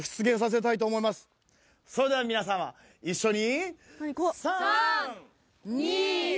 それでは皆様、一緒に。